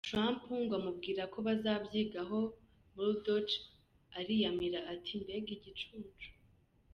Trump ngo amubwira ko bazabyigaho, Murdoch ariyamira ati ‘Mbega igicucu’.